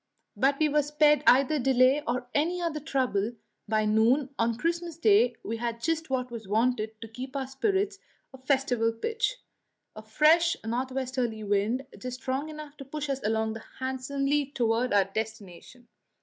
But we were spared either delay or any other trouble; by noon on Christmas Day we had just what was wanted to keep our spirits at festival pitch; a fresh north westerly wind, just strong enough to push us along handsomely toward our destination.